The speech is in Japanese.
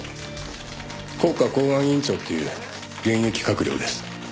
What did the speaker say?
「国家公安委員長っていう現役閣僚です」